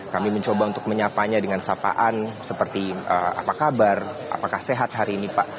kami mencoba untuk menyapanya dengan sapaan seperti apa kabar apakah sehat hari ini pak